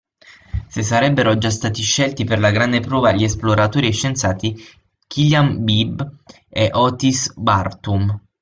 Se sarebbero già stati scelti per la grande prova gli esploratori e scienziati Killiam Beebe ed Otis Bartom.